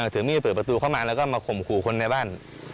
ถือมีดเปิดประตูเข้ามาแล้วก็มาข่มขู่คนในบ้าน